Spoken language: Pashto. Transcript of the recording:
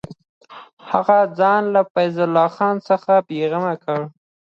هغه ځان له فیض الله خان څخه بېغمه کړ.